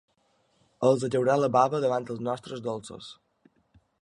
Els caurà la bava davant els nostres dolços.